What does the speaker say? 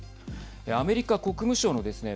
アメリカ国務省のですね